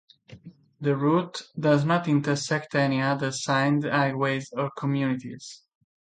The route does not intersect any other signed highways or communities.